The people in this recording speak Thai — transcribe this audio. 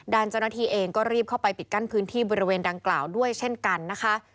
เจ้าหน้าที่เองก็รีบเข้าไปปิดกั้นพื้นที่บริเวณดังกล่าวด้วยเช่นกันนะคะ